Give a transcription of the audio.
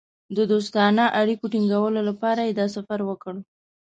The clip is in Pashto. د دوستانه اړیکو ټینګولو لپاره یې دا سفر وکړ.